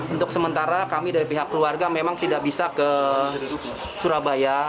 untuk sementara kami dari pihak keluarga memang tidak bisa ke surabaya